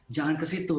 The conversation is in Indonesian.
jangan ke situ